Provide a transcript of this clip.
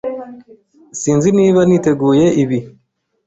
Sinzi niba niteguye ibi.